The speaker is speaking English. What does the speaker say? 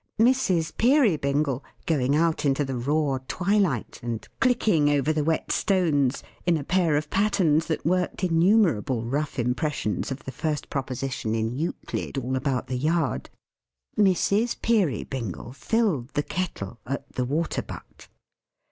Mrs. Peerybingle going out into the raw twilight, and clicking over the wet stones in a pair of pattens that worked innumerable rough impressions of the first proposition in Euclid all about the yard Mrs. Peerybingle filled the Kettle at the water butt.